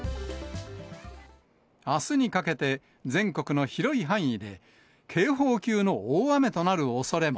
あすにかけて、全国の広い範囲で警報級の大雨となるおそれも。